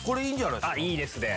いいですね。